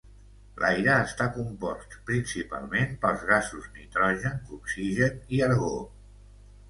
L'aire està compost principalment pels gasos nitrogen, oxigen i argó.